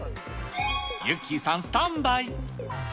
ゆっｋｅｙさんスタンバイ。